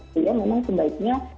jadi memang sebaiknya